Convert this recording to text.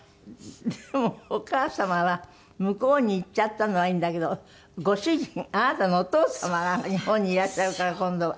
でもお母様は向こうに行っちゃったのはいいんだけどご主人あなたのお父様が日本にいらっしゃるから今度は。